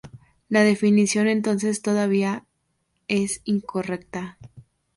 La definición entonces todavía es incorrecta.